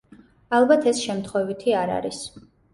ალბათ, ეს შემთხვევითი არ არის.